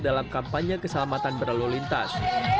dalam kampanye keselamatan berlalu lintas